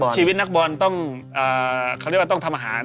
ชีวิตนักบอลต้องต้องทำอาหาร